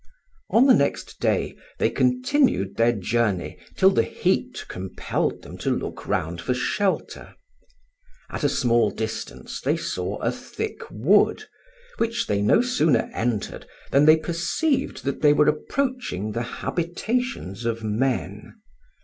ON the next day they continued their journey till the heat compelled them to look round for shelter. At a small distance they saw a thick wood, which they no sooner entered than they perceived that they were approaching the habitations of men.